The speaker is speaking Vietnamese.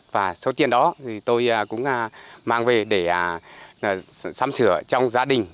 và số tiền đó thì tôi cũng mang về để sắm sửa trong gia đình